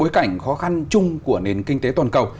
và các doanh nghiệp khó khăn chung của nền kinh tế toàn cầu